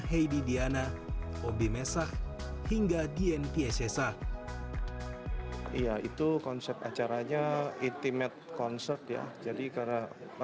heidi diana oby mesak hingga di ntsa ia itu konsep acaranya intimate concert ya jadi karena